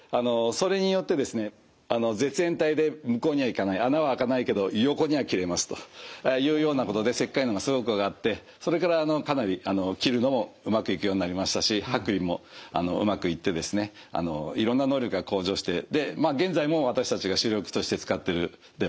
絶縁体で向こうには行かない穴はあかないけど横には切れますというようなことで切開能がすごく上がってそれからかなり切るのもうまくいくようになりましたし剥離もうまくいってですねいろんな能力が向上してで現在も私たちが主力として使っているデバイスですね。